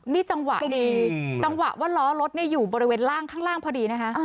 นี่จังหวะดีจังหวะว่าล้อรถอยู่บริเวณล่างข้างล่างพอดีนะคะ